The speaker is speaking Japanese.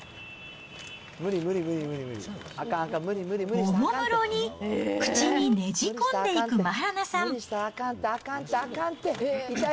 おもむろに口にねじ込んでいくマハラナさん。